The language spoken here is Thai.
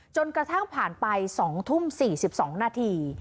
จนกระทั่งผ่านไป๒ทุ่ม๔๒นาที